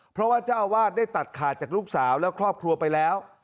เพราะว่าเจ้าอาวาสได้ตัดขาดจากลูกสาวและครอบครัวไปแล้ว